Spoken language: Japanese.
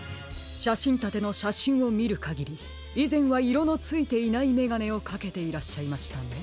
しゃしんたてのしゃしんをみるかぎりいぜんはいろのついていないめがねをかけていらっしゃいましたね。